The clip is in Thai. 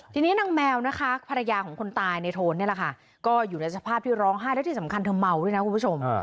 ทีนี้นางแมวนะคะภรรยาของคนตายในโทนนี่แหละค่ะก็อยู่ในสภาพที่ร้องไห้และที่สำคัญเธอเมาด้วยนะคุณผู้ชม